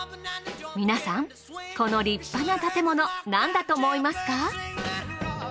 皆さんこの立派な建物何だと思いますか？